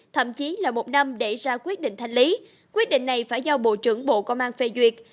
thậm chí là một năm để ra quyết định thanh lý quyết định này phải do bộ trưởng bộ công an phê duyệt